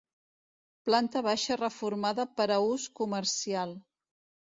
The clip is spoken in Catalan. Planta baixa reformada per a ús comercial.